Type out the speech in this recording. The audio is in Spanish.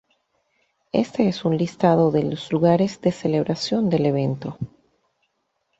Éste es un listado de los lugares de celebración del evento.